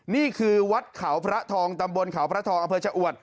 นี่คือวัดเขาพระทองตำบลเขาพระทองอำเภอชะอวด